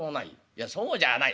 いやそうじゃあない。